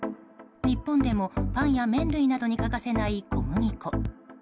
日本でも、パンや麺類などに欠かせない小麦粉。